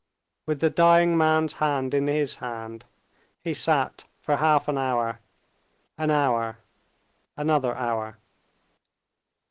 With the dying man's hand in his hand, he sat for half an hour, an hour, another hour.